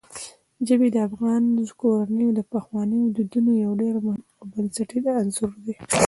ژبې د افغان کورنیو د پخوانیو دودونو یو ډېر مهم او بنسټیز عنصر دی.